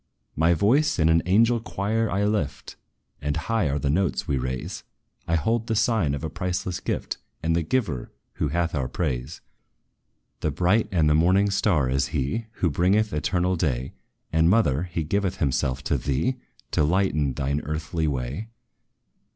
"My voice in an angel choir I lift; And high are the notes we raise: I hold the sign of a priceless gift, And the Giver, who hath our praise. "'The bright and the morning star' is he, Who bringeth eternal day! And, mother, he giveth himself to thee, To lighten thine earthly way.